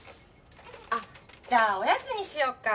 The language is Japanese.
あっじゃあおやつにしよっか。